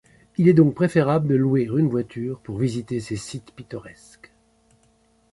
Il est donc préférable de louer une voiture pour visiter ces sites pittoresques.